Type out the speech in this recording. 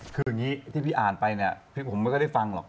คืออย่างนี้ที่พี่อ่านไปผมไม่ได้ฟังหรอก